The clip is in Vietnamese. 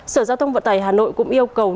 sở giao thông vận tải hà nội cũng yêu cầu